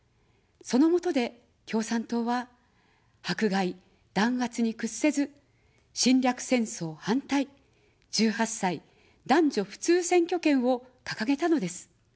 そのもとで、共産党は迫害、弾圧に屈せず、「侵略戦争反対」、「１８歳男女普通選挙権」をかかげたのです。